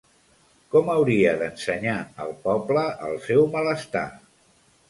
Com hauria d'ensenyar el poble el seu malestar?